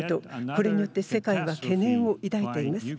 これによって世界は懸念を抱いています。